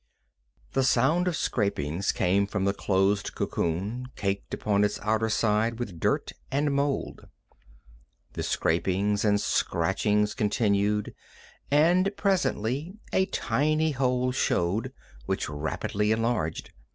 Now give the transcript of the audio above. The sound of scrapings came from the closed cocoon, caked upon its outer side with dirt and mold. The scraping and scratching continued, and presently a tiny hole showed, which rapidly enlarged.